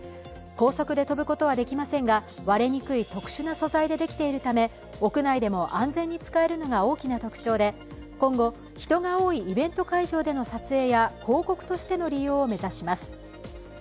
高速で飛ぶことはできませんが、割れにくい特殊な素材でできているため屋内でも安全に使えるのが大きな特徴で今後、人が多いイベント会場での撮影や広告としての利用を目指します。